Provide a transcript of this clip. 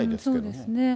そうですね。